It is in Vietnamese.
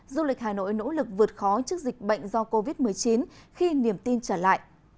du lịch hà nội nỗ lực vượt khó trước dịch bệnh do covid một mươi chín khi niềm tin trở lại